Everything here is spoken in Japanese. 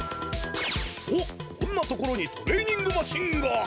おっこんな所にトレーニングマシンが！